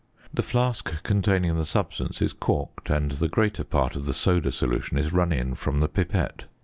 The flask containing the substance is corked, and the greater part of the soda solution is run in from the pipette.